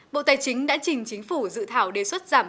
bộ tài chính đã trình chính phủ dự thảo đề xuất giảm